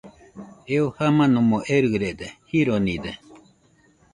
Eo jamanomo erɨrede, jironide